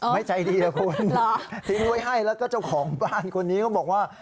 ไม่ใจดีนะคุณทิ้งไว้ให้แล้วก็เจ้าของบ้านคนนี้เขาบอกว่า